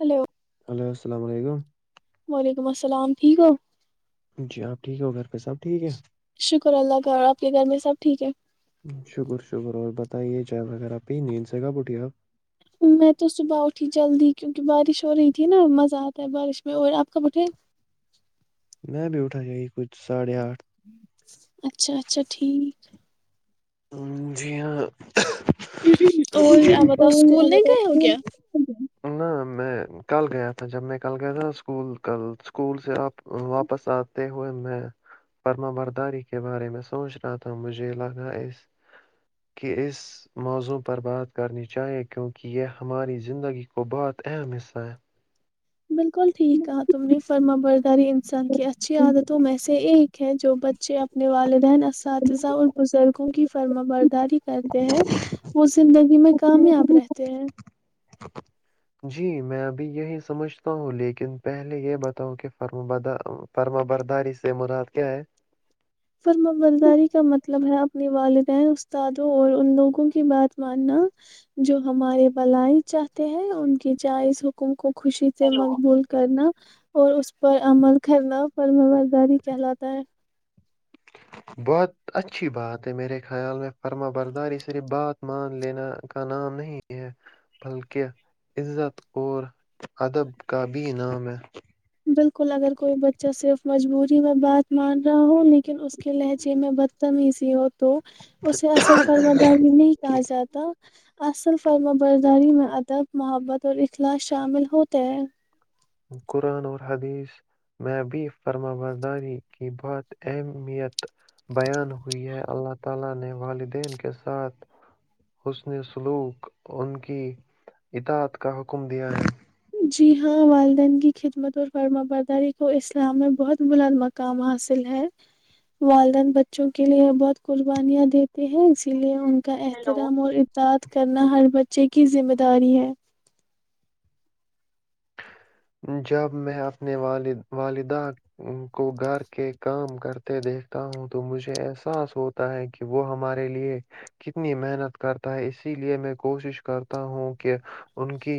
hello [unintelligible] وعلیکم السلام ٹھیک ہو جی آپ ٹھیک ہو گھر پہ سب ٹھیک ہے شکر اللہ کا آپ کے گھر میں سب ٹھیک ہے شکر شکر اور بتائیے چائے وغیرہ پہ ہی نیند سے گا بٹ آپ میں تو صبح اٹھی جلدی کیونکہ بارش ہو رہی تھی نا مزہ آتا ہے بارش میں اور آپ کب اٹھیں میں بھی اٹھا گی کچھ ساڑھے آٹھ اچھا اچھا ٹھیک جاں اوربت اسکول نہیں گئے ہو کیا ن میں کل گیا تھا جب میں کل گیا تھا اسکول کل اسکول سے آپ واپس آتے ہوئے میں پرما برداری کے بارے میں سوچ رہا تھا مجھے لگا اس کے اس موضوع پر بات کرنی چاہے کیونکہ یہ ہماری زندگی کو بہت اہم حصہ ہے بالکل ٹھیک کہاں تم نے فرما برداری انسان کہ اچھی عادتوں میں سے ایک ہیں جو بچے ا نے والدہین اساتذہ اور بزرگ کی فرم برداری کرتے ہیں وہ زندگی میں کامیاب رہتے ہیں جی میں ابھی یہی سمجھتا ہوں لیکن پہلے یہ بتاؤں کہ فرم برداری سے مراد کیا ہے پر میں بلداری کا مت مطلب ہے اپنی والدین استادوں اور ان لوگوں کی بات ماننا جو ہمارے بلائی چاہتے ہیں ان کی جائز حکم کو خوشی سے مقبول کرنا اور اس پر عمل کرنا پر میںبرداری کہلاتا ہے بہت اچھی بات ہے میرے خیال میں فرما برداری صرف بات مان لینا کا نام نہیں ہے بلکہ عزت اور ادب کا بھی نام ہے بالکل اگر کوئی بچہ صرف مجبوری جی میں بات مان رہا ہوں لیکن اس کے لہجے میں بدتم ہی سی ہو تو اسے اصل فرم دا بھی نہیں کہا جاتا اصل فرم و برداری میں ادب محبت اور اخلاص شامل ہوتے ہیں [unintelligible] جی ہاں والدین کی خدمت اور فما برداری کو اسلام میں بہت بلاد مقام حاصل ہے والدین بچوں کے لیے بہت قربانیاں دیتے ہیں اسی لیے ان کا احترام ہیلو اور اداد کرنا ہر بچے کے کی ذمہ داری ہے جب میں اپنے والد والدہ کو گھر کے کام کرتے دیکھتا ہوں تو مجھے احساس ہوتا ہے کہ وہ ہمارے لیے کتنی محنت کرتا ہے اسی لیے میں کوشش کرتا ہوں کہ ان کی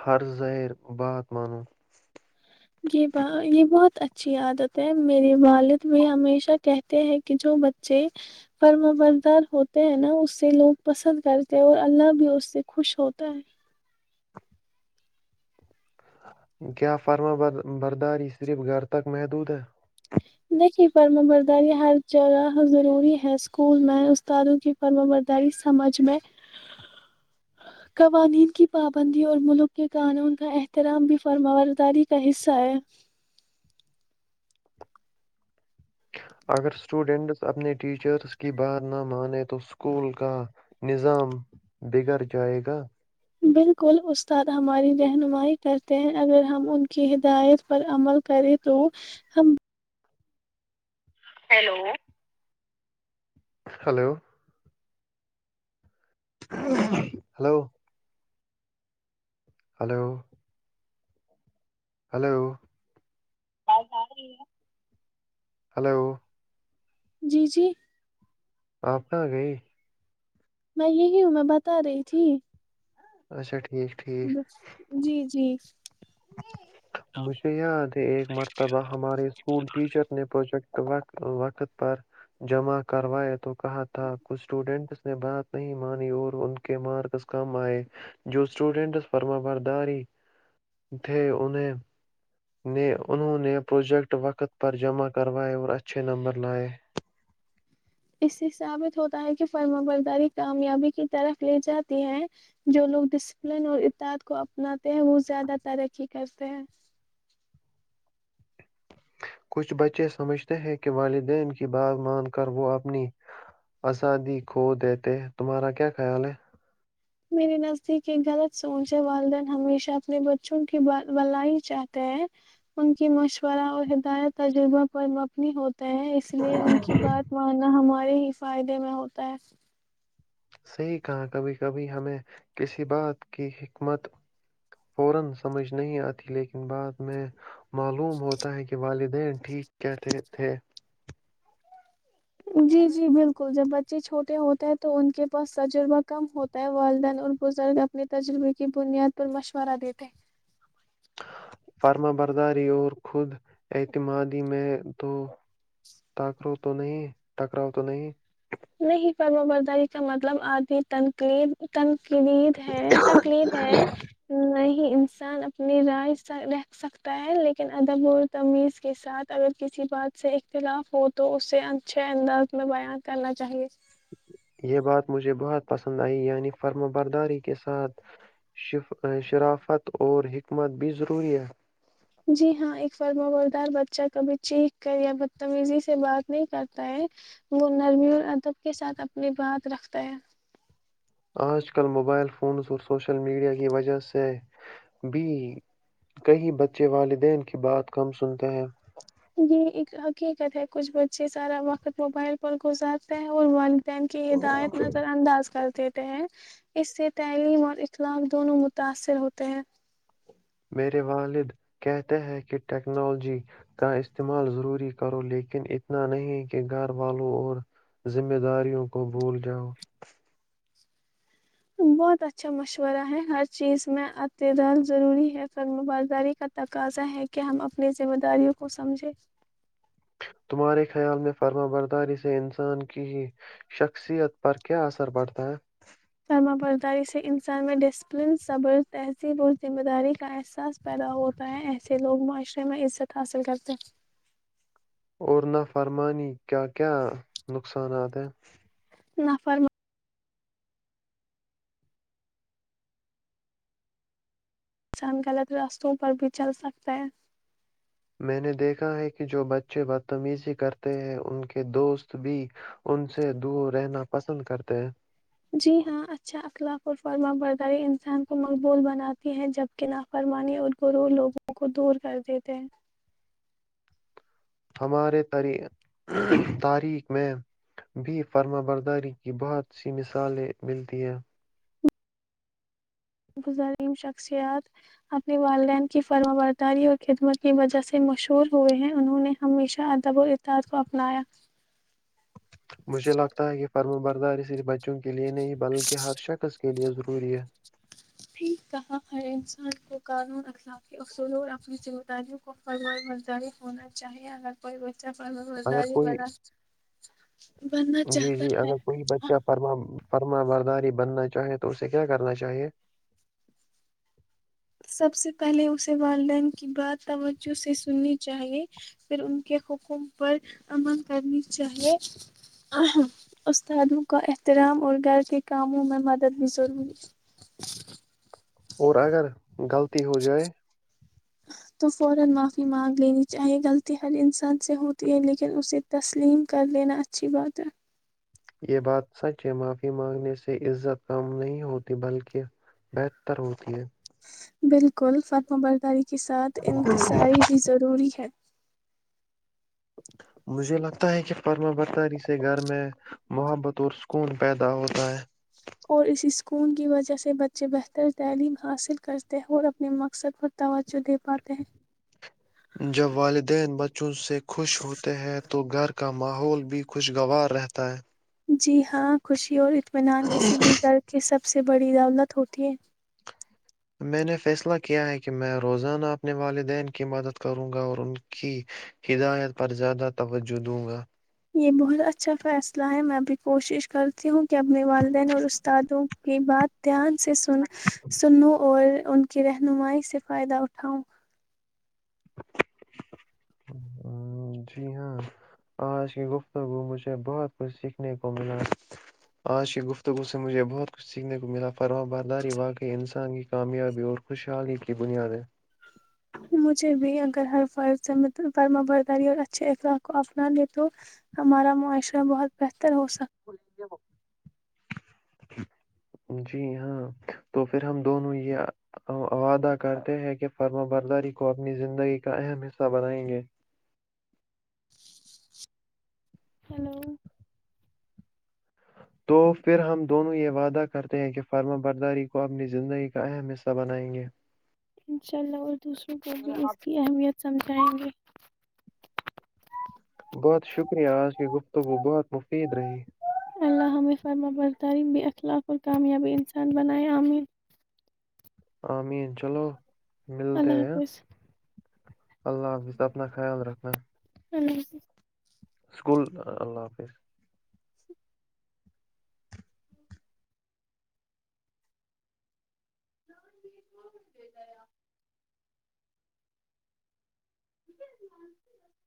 ہر زظر بات مانون یہ ب یہ بہت اچھا اچھی عادت ہے میرے والد بھی ہمیشہ کہتے ہیں کہ جو بچے فرمبردار ہوتے ہیں نا اس سے لوگ پسند کرتے اور اللہ بھی اس سے خوش ہوتا ہے کیا فرما برداری صرف گھر تک محدود ہے دیکھیے فرم برداری ہر جگہ ضروری ہے اسکول میں استادوں کی فرم برداری سمجھ میں قوانین کی پابندی اور ملک کے قانون کا احترام بھی فرم برداری کا حصہ ہے اگر اسٹوڈنٹس اپنے ٹیچرس کی بات نہ مانے تو اسکول کا نظام بگڑ جائے گا ب [unintelligible] hello hello hello hello hello hello جی جی آپ کا گئی میں یہی ہوں میں بتا رہی تھی اچھا ٹھیک ٹھیک جی جی مجھے یاد ہے ایک مرتبہ ہمارے اسکول ٹیچر نے پروجیکٹ وقت پر جمع کرواائے تو کہا تھا کچھ اسٹوڈینٹس نے بات نہیں مانی اور ان کے مارکس کم آئے جو اسٹوڈینٹس پرمبرداری تھے انہوں نے پروجیکٹ وقت پر جمع کروائے اور اچھے نمبر لائے اس سے ثابت ہوتا ہے کہ فرم برداری کامیابی کی طرف لے جاتی ہے جو لوگ ڈسپلن اور اطاد کو اپناتے ہیں وہ زیادہ ترقی کرتے ہیں کچھ بچے سمجھتے ہیں کہ والدین کی بات مان کر وہ اپنی آزادی کھو دیتے ہیں تمہارا کیا خیال ہے میرے نزدیک ایک غلط سوچ والدین ہمیشہ اپنے بچوں کی بلائی چاہتے ہیں ان کی مشورہ اور ہدایت تجربہ پر مبنی ہو ہیں اس لیے ان کی بات ماننا ہمار ہمارے ہی فائدے میں ہوتا ہے [unintelligible] معلوم ہوتا ہے کہ والد د ٹھیک کیا تھے تھے جی جی بالکل جب بچے چھوٹے ہوتے ہیں تو ان کے پاس تجربہ کم ہوتا ہے والدین اور بزرگ اپنے تجربے کی بنیاد پر مشورہ دیتے فرما برداری اور خود اعتمادی میں تو ٹاکرو تو نہیں ٹکراؤ تو نہیں نہیں پرمہ برداری کا مطلب آدمی تنق کلید ہے تکلیف ہے نہیں انسان اپنی رائے ر سکتا ہے لیکن ادب اور تمیز کے ساتھ اگر کسی بات سے اختلاف ہو تو اسے اچھے انداز میں بیان کرنا چاہیے یہ بات مجھے بہت پسند آئی یعنی فرم برداری کے ساتھ شرافت اور حکمت بھی ضروری ہے جی ہاں ایک فرمبردار بچہ کبھی چیکخ کر یا بدتمیزی سے بات نہیں کرتا ہے وہ نرمی ال ادب کے ساتھ اپنی بات رکھتا ہے آج کل موبائل فونز اور سوشل میڈیا کی وجہ سے بھی کئی بچے والدین کی بات کم سنتے ہیں یہ ایک حقیقت ہے کچھ بچے سارا وقت موبائل پر گزارتے ہیں اور ک یہ دایت نظر انداز کرتے ہیں اس سے تعلیم اور اخلاق دونوں متاثر ہوتے ہیں میرے والد کہتے ہیں کہ ٹیکنالوجی کا استعمال ضروری کرو لیکن اتنا نہیں کہ گھر والوں اور ذمہ داریوں کو بھول جاؤ بہت اچھا مشورہ ہے ہر چیز میں ات رال ضروری ہے فرمبراداری کا تقاضا ہے کہ ہم اپنی ذمہ داریوں کو سمجھیں تمہارے خیال میں فرما برداری سے انسان کی شخصیت پر کیا اثر پڑتا ہے سرما برداری سے انسان میں ڈسپلن سبر تہذیب و ذمہ داری کا احساس پیدا ہوتا ہے ایسے لوگ معاشرے میں عزت حاصل کرتے ہیں اور نا فرمانی کیا کیا نقصانات ہیں نفر انسان غلط راستوں پر بھی چل سکتا ہے میں نے دیکھا ہے کہ جو بچے بدتمیزی کرتے ہیں ان کے دوست بھی ان سے دور رہنا پسند کرتے ہیں جی ہاں اچھا اخلاق اور فرما برداری انسان کو مقبول بناتی ہے جبک نافرمانی اور گرور لوگوں کو دور کر دیتے ہیں ہمارے تاریخ میں بھی فرما برداری کی بہت سی مثالیں ملتی ہیں ظریم شخصیات اپنے والدین کی فرم برداری اور خدمت کی وجہ سے مشہور ہوئے ہیں انہوں نے ہمیشہ ادب اور ارتااد کو اپنایا مجھے لگتا ہے کہ پرم برداریرری بچوں کی لیے نہیں بلکہ ہر شخص کے لئے ضروری ہے ھیک کہا ہر انسان کو قانون اخلاافی اصولوں اور اپنی ذمہ داریوں کو فرو ماری ہونا چاہیے اگر کوئی چپ ب اگر با کوئی جچ جی جی اگر کوئی بچہ فرما فرما برداری بننا چاہیں تو اسے کیا کرنا چاہیے [unintelligible] اور اگر غلطی ہو جائے تو فورا معافی مانگ لینی چاہیے غلطی ہر انسان سے ہوتی ہے لیکن اسے تسلیم کر لینا اچھی بات ہے یہ بات سچ ہے معافی مانگنے سے عزت کم نہیں ہوتی بلکہ بہتر ہوتی ہے بالکل فرم برداری کے ساتھ انکصاری بھی ضروری ہے مجھے لگتا ہے کہ فرما برتاری سے گھر میں محبت اور سکون پیدا ہوتا ہے اور اس اسکول کی وجہ سے بچے بہتر تعلیم حاصل کرتے ہیں اور اپنے مقصد پر توجہ دے پاتے ہیں جب والدین بچوں سے خوش ہوتے ہیں تو گھر کا ماحول بھی خوشگوار رہتا ہے جی ہاں خوشی اور ط مینان کسی بھی گھر کے سب سب سے بڑی دولت ہوتی ہے میں نے فیصلہ کیا ہے کہ میں روزانہ اپنے والدین کی مدد کروں گا اور ان کی ہدایت پر زیادہ توجہ دوں گا یہ بہت اچھا فیصلہ ہے میں ابھی کوشش کرتی ہوں کہ اپنے والدین اور استادوں کی بات دھیان سے سن سنوں اور ان کی رہنمائی سے فائدہ اٹھاؤں جی ہاں آج کی گفتگو مجھے بہت کچھ سیکھنے کو ملا آج کی گفتگو سے مجھے بہت کچھ سیکھنے کو ملا فروا برداری واقعی انسان کی کامیابی اور خوشحالی کی بنیاد ہے مجھے بھی اگر ہر فرض فرمہ برداری اور اچھے اخلاق کو اپنا لے تو ہمارا معاشرہ بہت بہتر تر ہو سا ہے جی ہاں تو پھر ہم دونوں یہ وعدہ کرتے ہیں کہ فرم برداری کو اپنی زندگی کا اہم حصہ بنائیں گے ہلو تو پھر ہم دونوں یہ وعدہ کرتے ہیں کہ فرما برداری کو اپنی زندگی کا اہم حصہ بنائیں گے انشاء اللہ اور دوسروں کو بھی اس کی اہمیت سمجھ تھینک یو بہت شکریہ آج کی گفتگو بہت مفید رہی اللہ ہم فرما بر ترین بھی اخلاق اور کامیابی انسان بنائے عمین آمین چلو ملتے اللہ ہیں حافظ اللہ حافظ اپنا خیال رکھنا ہ سکول اللہ حافظ [inaudible] ج